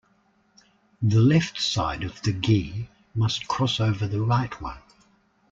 The left side of the gi must cross over the right one.